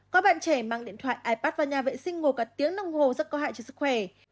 có bạn trẻ mang điện thoại ipad vào nhà vệ sinh ngồi cả tiếng đồng hồ rất có hại cho sức khỏe